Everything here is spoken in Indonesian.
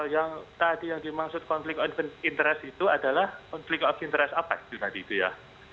yang tadi yang dimaksud konflik interest itu adalah konflik of interest apa itu tadi itu ya